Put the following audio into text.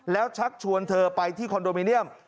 แล้วชักชวนเธอไปที่คอนโดมิเนียม